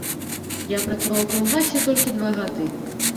Я працаваў у калгасе толькі два гады.